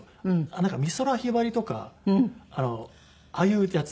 なんか美空ひばりとかああいうやつ。